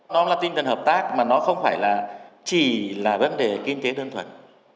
nó là tinh thần hợp tác mà nó không phải là chỉ là vấn đề kinh tế đơn thuần